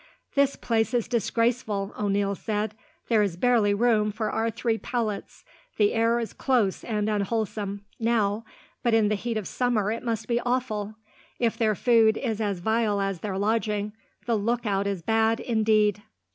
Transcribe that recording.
"This place is disgraceful," O'Neil said. "There is barely room for our three pallets. The air is close and unwholesome, now, but in the heat of summer it must be awful. If their food is as vile as their lodging, the lookout is bad, indeed."